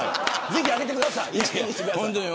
ぜひ上げてください。